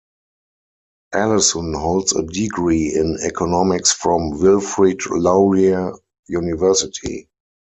Allison holds a degree in Economics from Wilfrid Laurier University.